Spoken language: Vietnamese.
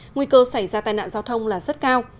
nguy cơ xảy ra tai nạn giao thông là rất cao